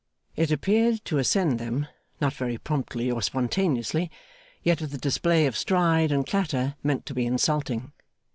It appeared to ascend them, not very promptly or spontaneously, yet with a display of stride and clatter meant to be insulting.